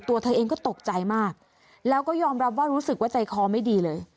ตัวเธอเองก็ตกใจมากแล้วก็ยอมรับว่ารู้สึกว่าใจคอไม่ดีเลย